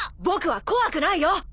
僕は怖くないよ。